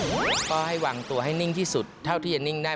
ก็ให้วางตัวให้นิ่งที่สุดเท่าที่จะนิ่งได้